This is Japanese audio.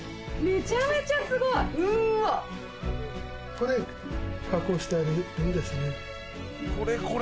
これ加工してあるもんですね。